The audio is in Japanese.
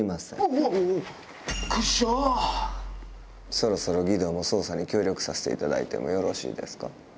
そろそろ儀藤も捜査に協力させていただいてもよろしいですか？